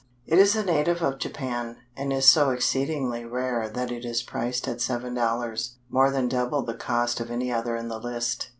It is a native of Japan, and is so exceedingly rare that it is priced at $7.00, more than double the cost of any other in the list.